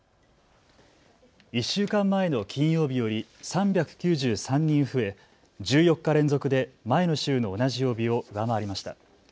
１週間前の金曜日より３９３人増え、１４日連続で前の週の同じ曜日を上回りました。